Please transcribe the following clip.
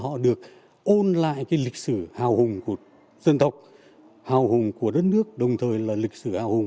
họ được ôn lại cái lịch sử hào hùng của dân tộc hào hùng của đất nước đồng thời là lịch sử hào hùng